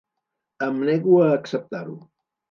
Em nego a acceptar-ho.